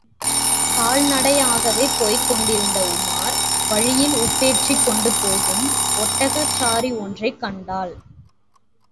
கால்நடையாகவே போய்க் கொண்டிருந்த உமார் வழியில் உப்பு ஏற்றிக் கொண்டு போகும் ஒட்டகச் சாரி ஒன்றைக் கண்டான்.